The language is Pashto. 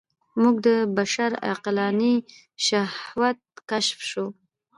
موږ د بشر عقلاني شهود کشف کوو.